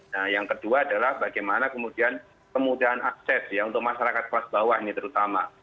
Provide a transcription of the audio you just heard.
nah yang kedua adalah bagaimana kemudian kemudahan akses ya untuk masyarakat kelas bawah ini terutama